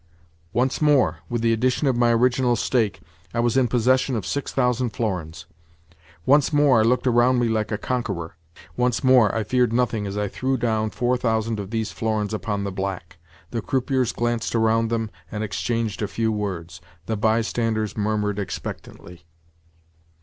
Once more, with the addition of my original stake, I was in possession of six thousand florins! Once more I looked around me like a conqueror—once more I feared nothing as I threw down four thousand of these florins upon the black. The croupiers glanced around them, and exchanged a few words; the bystanders murmured expectantly.